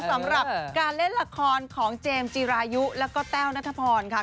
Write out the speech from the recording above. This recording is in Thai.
สำหรับการเล่นละครของเจมส์จีรายุแล้วก็แต้วนัทพรค่ะ